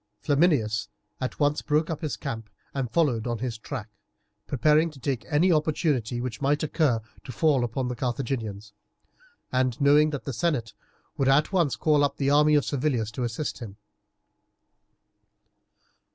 Flaminius at once broke up his camp and followed on his track, preparing to take any opportunity which might occur to fall upon the Carthaginians, and knowing that the senate would at once call up the army of Servilius to assist him.